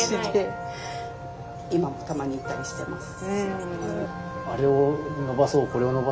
今もたまに言ったりしてます。